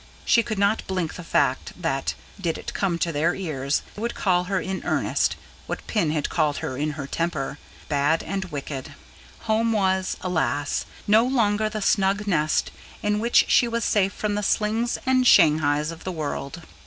She could not blink the fact that, did it come to their ears, they would call her in earnest, what Pin had called her in her temper bad and wicked. Home was, alas! no longer the snug nest in which she was safe from the slings and shanghais of the world.